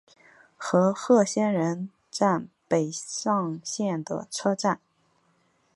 和贺仙人站北上线的车站。